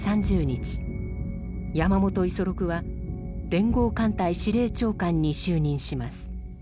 山本五十六は連合艦隊司令長官に就任します。